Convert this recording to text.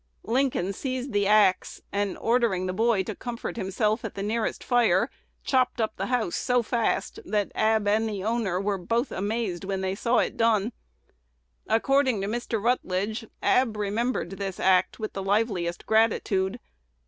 Lincoln seized the axe, and, ordering the boy to comfort himself at the nearest fire, chopped up 'the house' so fast that Ab and the owner were both amazed when they saw it done." According to Mr. Rutledge, "Ab remembered this act with the liveliest gratitude.